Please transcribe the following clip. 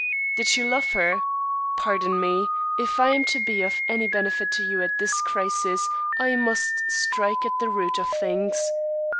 "Did you love her? Pardon me; if I am to be of any benefit to you at this crisis I must strike at the root of things.